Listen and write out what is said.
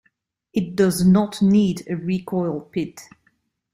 It does not need a recoil pit.